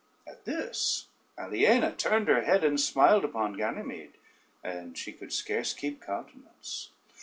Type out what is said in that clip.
At this Aliena turned her head and smiled upon Ganymede, and she could scarce keep countenance.